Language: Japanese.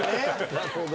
なるほど。